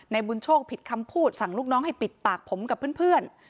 บุญโชคผิดคำพูดสั่งลูกน้องให้ปิดปากผมกับเพื่อน